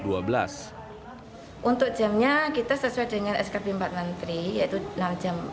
untuk jamnya kita sesuai dengan skb empat menteri yaitu enam jam